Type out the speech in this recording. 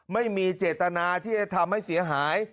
ไม่มีเจตนาที่จะทำให้เสียหาย